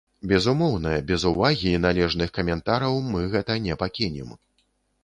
Безумоўна, без увагі і належных каментараў мы гэта не пакінем.